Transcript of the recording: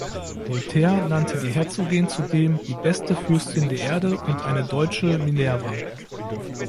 Voltaire nannte die Herzogin zudem die „beste Fürstin der Erde“ und eine „deutsche Minerva“.